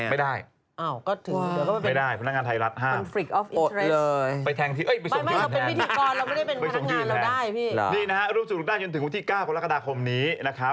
นี่นะครับรูปสูตรได้จนถึงวันที่๙กรกฎาคมนี้นะครับ